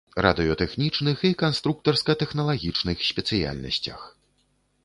Радыётэхнічных і канструктарска-тэхналагічных спецыяльнасцях.